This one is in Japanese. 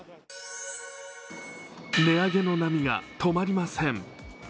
値上げの波が止まりません。